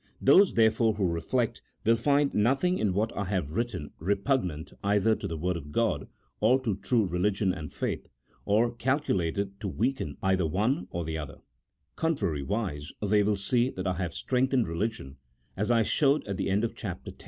Those, therefore, who reflect, will find nothing in what I have written repugnant either to the Word of God or to true religion and faith, or calculated to weaken either one or the other : contrariwise, they will see that I have strengthened religion, as I showed at the end of Chapter X.